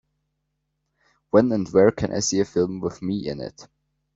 When and where can I see A Film with Me in It